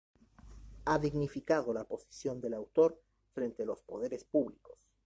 ha dignificado la posición del autor frente a los poderes públicos